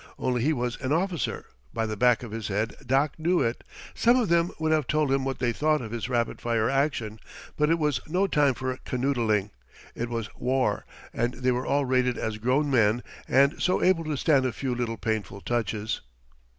Only he was an officer by the back of his head Doc knew it some of them would have told him what they thought of his rapid fire action. But it was no time for canoodling it was war, and they were all rated as grown men and so able to stand a few little painful touches.